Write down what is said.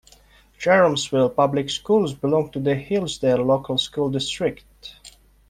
Jeromesville Public Schools belong to the Hillsdale Local School District.